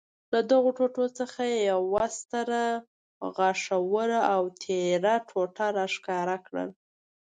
له دغو ټوټو څخه یې یوه ستره، غاښوره او تېره ټوټه را ښکاره کړل.